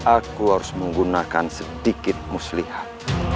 aku harus menggunakan sedikit muslihat